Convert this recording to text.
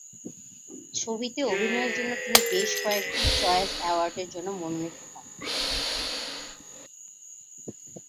ছবিটিতে অভিনয়ের জন্য তিনি বেশ কয়েকটি টিন চয়েজ অ্যাওয়ার্ডের জন্য মনোনীত হন।